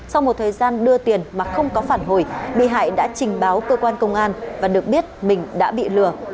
sau một thời gian đưa tiền mà không có phản hồi bị hại đã trình báo cơ quan công an và được biết mình đã bị lừa